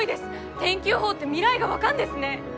天気予報って未来が分かんですね！